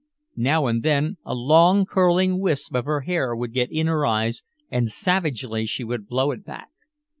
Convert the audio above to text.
Now and then a long curling wisp of her hair would get in her eyes and savagely she would blow it back.